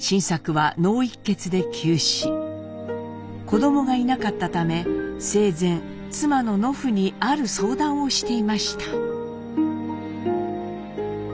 子どもがいなかったため生前妻の乃ふにある相談をしていました。